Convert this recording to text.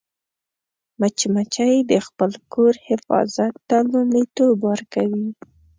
مچمچۍ د خپل کور حفاظت ته لومړیتوب ورکوي